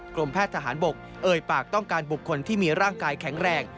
กรมแพทย์ทหารบกเอ่ยปากต้องการบุคคลที่มีร่างกายแข็งแรง